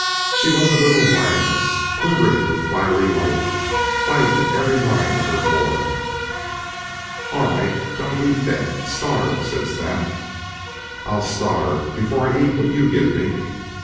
She was a little lioness, quivering with fiery life, fight in every line of her form. "All right, don't eat then starve!" said Snap. "I'll starve before I eat what you give me."